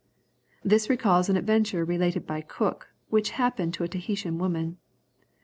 This recalls an adventure related by Cook, which happened to a Tahitan woman.